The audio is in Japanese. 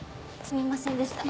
すみませんでした。